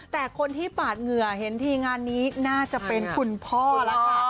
แต่คนที่ปาดเหงื่อเห็นทีงานนี้น่าจะเป็นคุณพ่อแล้วค่ะ